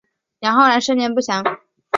杨浩然生年不详。